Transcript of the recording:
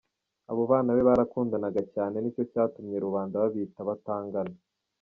Abo bana be barakundanaga cyane, ni cyo cyatumye rubanda babita abatangana.